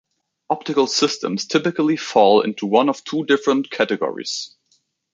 Optical systems typically fall into one of two different categories.